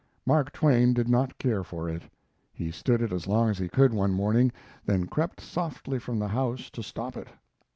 Mark Twain did not care for it. He stood it as long as he could one morning, then crept softly from the house to stop it.